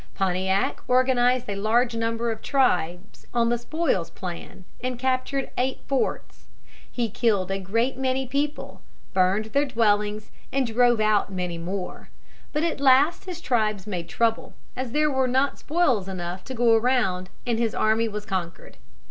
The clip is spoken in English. Pontiac organized a large number of tribes on the spoils plan, and captured eight forts. He killed a great many people, burned their dwellings, and drove out many more, but at last his tribes made trouble, as there were not spoils enough to go around, and his army was conquered.